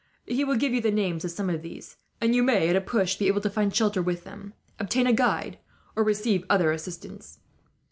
He will give you the names of some of these; and you may, at a push, be able to find shelter with them, obtain a guide, or receive other assistance.